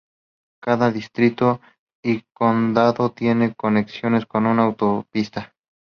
Cada distrito y condado tiene conexiones con una autopista.